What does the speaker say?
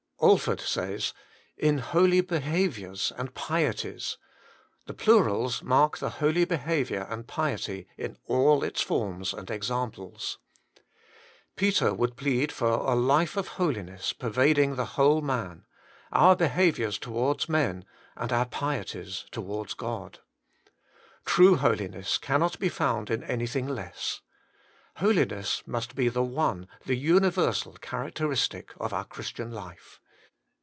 Alford says, ' In holy behaviours and pieties ; the plurals mark the holy behaviour and piety in all its forms and examples' Peter would plead for a life of holiness pervading the whole man : our behaviours towards men, and our pieties towards God. True holiness cannot be found in anything less. Holiness must be the one, the universal characteristic of our Christian life.